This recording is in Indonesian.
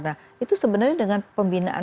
nah itu sebenarnya dengan pembinaan